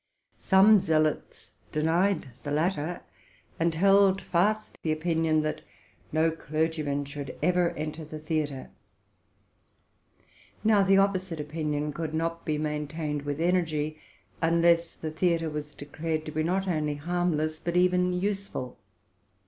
Some zealots denied the latter, and held fast the opinion that no clergyman should ever enter the theatre. Now, the opposite opinion could not be maintained with energy, unless the theatre was declared to be not only harmless, but even use ful.